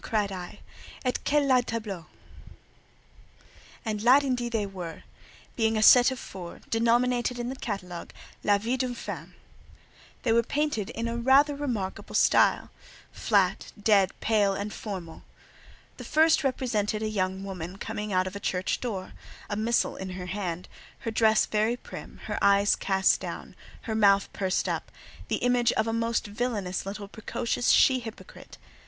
cried I, "et quelles laids tableaux!" And "laids," indeed, they were; being a set of four, denominated in the catalogue "La vie d'une femme." They were painted rather in a remarkable style—flat, dead, pale, and formal. The first represented a "Jeune Fille," coming out of a church door, a missal in her hand, her dress very prim, her eyes cast down, her mouth pursed up—the image of a most villanous little precocious she hypocrite.